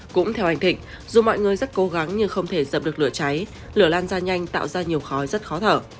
cũng theo anh thịnh dù mọi người rất cố gắng nhưng không thể dập được lửa cháy lửa lan ra nhanh tạo ra nhiều khói rất khó thở